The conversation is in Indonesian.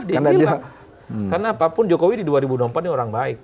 dan itu yang terjadi karena apapun jokowi di dua ribu dua puluh empat ini orang baik